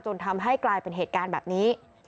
ทำให้กลายเป็นเหตุการณ์แบบนี้